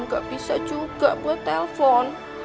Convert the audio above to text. gak bisa juga gue telpon